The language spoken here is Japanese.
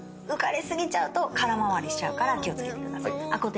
浮かれ過ぎちゃうと空回りしちゃうから気を付けてください。